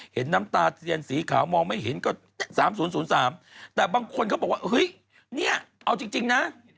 เห็นน้ำตาเทียนสีขาวมองไม่เห็นก็๓๐๐๓แต่บางคนเขาบอกว่าเฮ้ยเนี่ยเอาจริงนะ